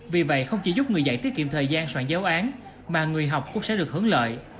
vì vậy không chỉ giúp người dạy tiết kiệm thời gian soạn giáo án mà người học cũng sẽ được hướng lợi